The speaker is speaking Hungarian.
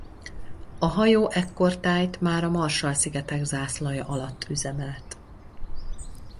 A hajó ekkortájt már a Marshall-szigetek zászlaja alatt üzemelt.